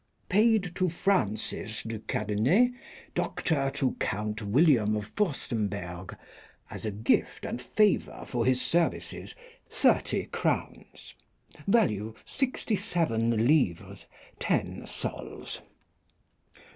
229) :" Paid to Francis de Cadenet, doctor to Count William of Furstemberg, as a gift and favour for his services, 30 crowns, value 67 livres 10 sols."